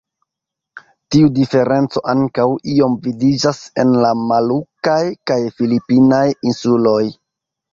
Tiu diferenco ankaŭ iom vidiĝas en la molukaj kaj filipinaj insuloj.